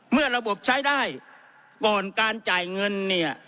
เมื่อระบบใช้ได้ก่อนการจ่ายเงินเนี่ย